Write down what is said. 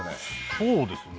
そうですね。